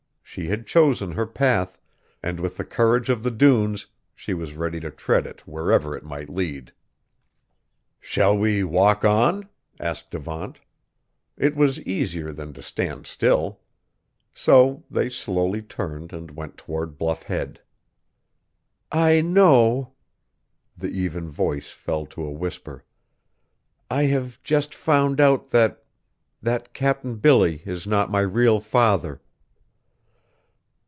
She had chosen her path, and with the courage of the dunes she was ready to tread it wherever it might lead. "Shall we walk on?" asked Devant. It was easier than to stand still. So they slowly turned and went toward Bluff Head. "I know," the even voice fell to a whisper, "I have just found out that that Cap'n Billy is not my real father!"